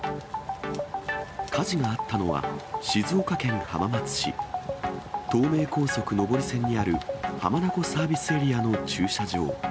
火事があったのは、静岡県浜松市、東名高速上り線にある浜名湖サービスエリアの駐車場。